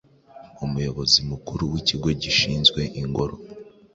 Umuyobozi Mukuru w’Ikigo gishinzwe Ingoro